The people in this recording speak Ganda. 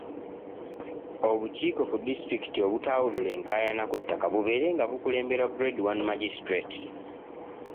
Obukiiko ku disitulikiti obutawulula enkaayana ku ttaka bubeere nga bukulemberwa Grade one Magistrate.